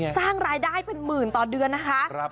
สร้างรายได้เป็นหมื่นต่อเดือนนะคะ